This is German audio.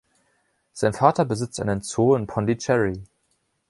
Sein Vater besitzt einen Zoo in Pondicherry.